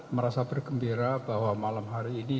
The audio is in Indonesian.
merasa bergembira bahwa malam hari ini